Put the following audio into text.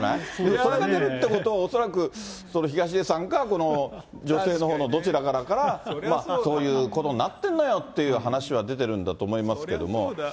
それが出るっていうことは、恐らくこの女性の方のどちらからか、そういうことになってんのよって話が出てるんだと思うんですけど。